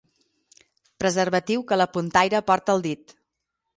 Preservatiu que la puntaire porta al dit.